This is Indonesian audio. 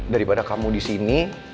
daripada kamu di sini